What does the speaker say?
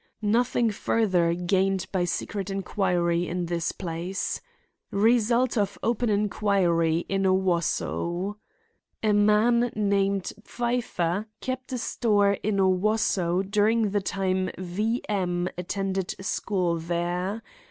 Nothing further gained by secret inquiry in this place. Result of open inquiry in Owosso. A man named Pfeiffer kept a store in Owosso during the time V. M. attended school there.